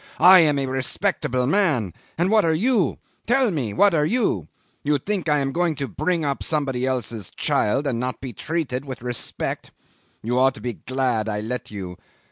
"I am a respectable man, and what are you? Tell me what are you? You think I am going to bring up somebody else's child and not be treated with respect? You ought to be glad I let you.